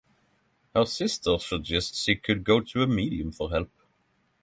Her sisters suggest she could go to a medium for help.